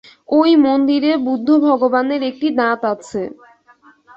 ঐ মন্দিরে বুদ্ধ-ভগবানের একটি দাঁত আছে।